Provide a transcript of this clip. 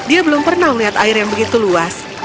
dia belum pernah melihat air yang begitu luas